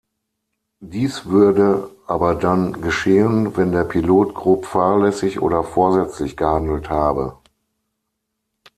Dies würde aber dann geschehen, wenn der Pilot grob fahrlässig oder vorsätzlich gehandelt habe.